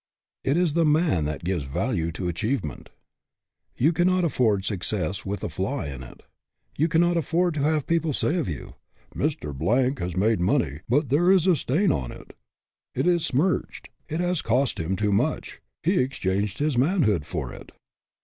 It is the man that gives value to achievement. You cannot afford success with a flaw in it. You cannot afford to have people say of you, " Mr. Blank has made money, but there is a stain on it. It is smirched. It has cost him too much. He exchanged his manhood for it."